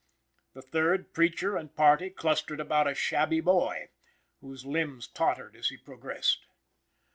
The third, preacher and party, clustered about a shabby boy, whose limbs tottered as he progressed.